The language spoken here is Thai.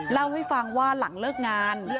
เล่าให้ฟังว่าหลังเลิกงาน